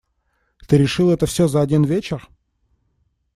Ты решил это всё за один вечер?